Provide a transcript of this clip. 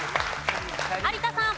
有田さん。